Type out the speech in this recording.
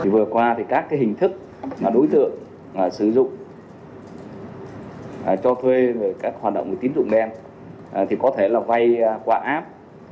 vừa qua các hình thức đối tượng sử dụng cho thuê các hoạt động tín dụng đen có thể là vay qua app